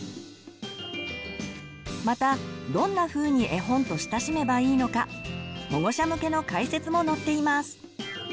またどんなふうに絵本と親しめばいいのか保護者向けの解説も載っています。